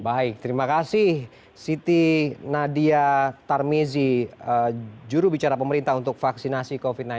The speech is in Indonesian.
baik terima kasih siti nadia tarmizi jurubicara pemerintah untuk vaksinasi covid sembilan belas